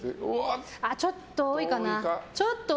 ちょっと多いかな。